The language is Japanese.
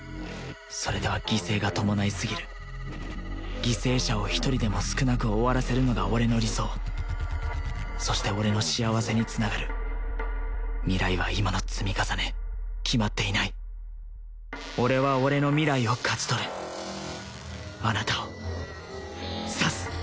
それでは犠牲が伴いすぎる犠牲者を１人でも少なく終わらせるのが俺の理想そして俺の幸せにつながる未来は今の積み重ね決まっていない俺は俺の未来を勝ち取るあなたを刺す！